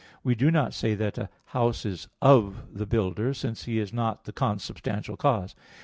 We do not say that a house is "of" [de] the builder, since he is not the consubstantial cause.